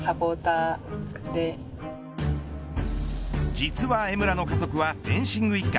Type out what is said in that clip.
実は江村の家族はフェンシング一家